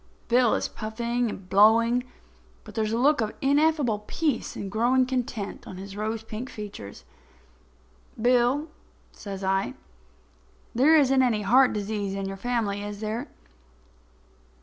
Bill is puffing and blowing, but there is a look of ineffable peace and growing content on his rose pink features. "Bill," says I, "there isn't any heart disease in your family, is there?